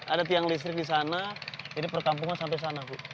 ada tiang listrik di sana jadi perkampungan sampai sana bu